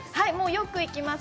よく行きます。